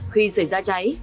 khi xảy ra cháy